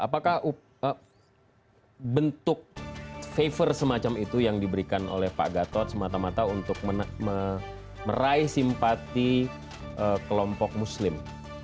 apakah bentuk favor semacam itu yang diberikan oleh pak gatot semata mata untuk meraih simpati kelompok muslim